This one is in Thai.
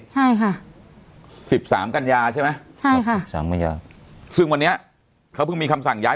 ใช่ค่ะสิบสามกัญญาใช่ไหมใช่ค่ะสามกัญญาซึ่งวันนี้เขาเพิ่งมีคำสั่งย้าย